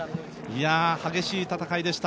激しい戦いでした。